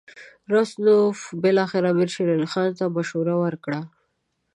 راسګونوف بالاخره امیر شېر علي خان ته مشوره ورکړه.